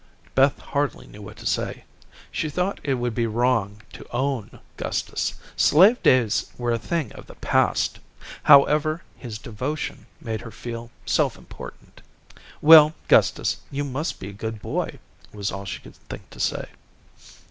Beth hardly knew what to say. She thought it would be wrong to "own" Gustus. Slave days were a thing of the past. However, his devotion made her feel self important. "Well, Gustus, you must be a good boy," was all she could think to say.